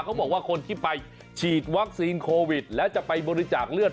เขาบอกว่าคนที่ไปฉีดวัคซีนโควิดแล้วจะไปบริจาคเลือด